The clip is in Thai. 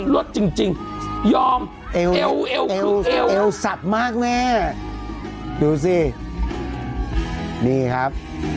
สจริงจริงยอมเอวเอวเอวคือเอวเอวสับมากแม่ดูสินี่ครับ